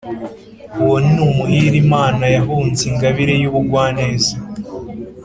uwo ni umuhire imana yahunze ingabire y' ubugwaneza,